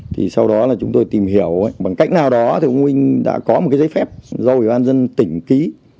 thì sau đó là chúng tôi tìm hiểu bằng cách nào đó thì ông huynh đã có một cái giấy phép do ủy ban dân tỉnh ký